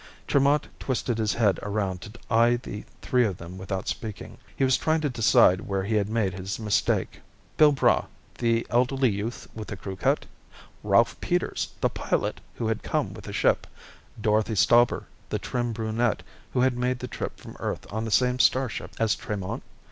Tremont twisted his head around to eye the three of them without speaking. He was trying to decide where he had made his mistake. Bill Braigh, the elderly youth with the crewcut? Ralph Peters, the pilot who had come with the ship? Dorothy Stauber, the trim brunette who had made the trip from Earth on the same starship as Tremont?